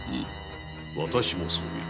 私もそう見る。